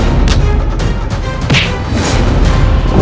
idol yang sudah tidur di perilaku